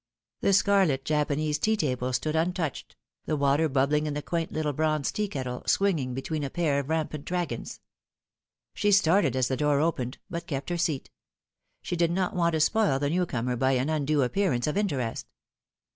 The scarlet Japanese tea table stood untouched, the water bubbling in the quaint little bronze tea kettle, swinging between a pair of rampant dragons. She started as the door opened, but kept her seat. She did not want to spoil the new comer by an undue appearance of interest.